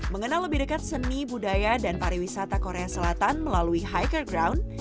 mengenal lebih dekat seni budaya dan pariwisata korea selatan melalui hiker ground